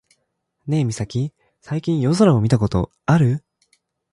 ねえミサキ、最近夜空を見たことある？